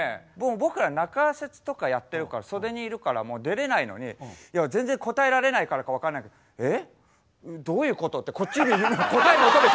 僕ら中説とかやってるから袖にいるからもう出れないのに全然答えられないからか分かんないけど「え？どういうこと」ってこっちに答え求めて。